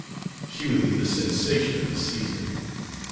She would be the sensation of the season.